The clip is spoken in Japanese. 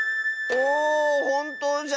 おおほんとうじゃ！